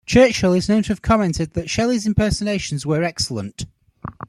Churchill is known to have commented that Shelley's impersonations were excellent.